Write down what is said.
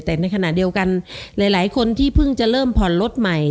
แต่ในขณะเดียวกันหลายคนที่เพิ่งจะเริ่มผ่อนรถใหม่